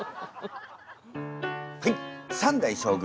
はい三代将軍